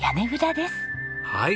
はい。